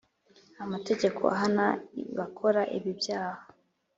amategeko ahana abakora ibi byaha